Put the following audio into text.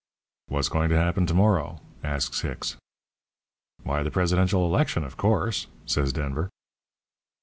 "'What's going to happen to morrow?' asks Hicks. "'Why, the presidential election, of course,' says Denver.